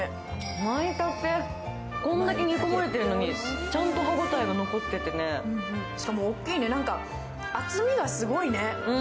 舞茸、こんだけ煮込まれてるのにちゃんと歯応えが残っててしかも大きいね、厚みがすごいね。